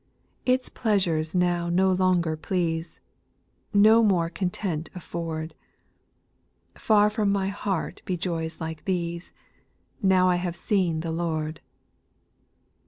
2. Its pleasures now no longer please, No more content afford, Far from my heart be joys like these, Now I have seen the Lord.